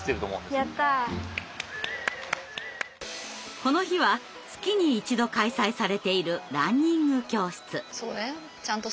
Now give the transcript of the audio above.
この日は月に一度開催されているランニング教室。